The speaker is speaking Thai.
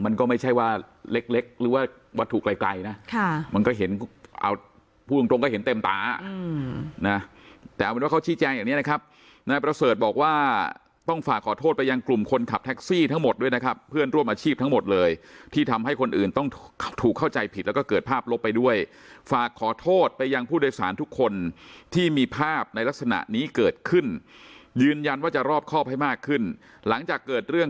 มันก็เห็นพูดจริงก็เห็นเต็มตาแต่เอาเป็นว่าเขาชี้แจงอย่างนี้นะครับนายประเสริฐบอกว่าต้องฝากขอโทษไปยังกลุ่มคนขับแท็กซี่ทั้งหมดด้วยนะครับเพื่อนร่วมอาชีพทั้งหมดเลยที่ทำให้คนอื่นต้องถูกเข้าใจผิดแล้วก็เกิดภาพลบไปด้วยฝากขอโทษไปยังผู้โดยสารทุกคนที่มีภาพในลักษณะนี้เกิดขึ้น